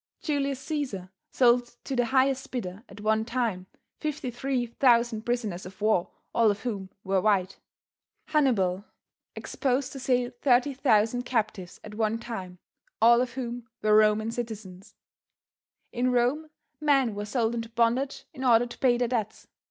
Julius Cæsar sold to the highest bidder at onetime fifty three thousand prisoners of war all of whom were white. Hannibal exposed to sale thirty thousand captives at one time, all of whom were Roman citizens. In Rome, men were sold into bondage in order to pay their debts.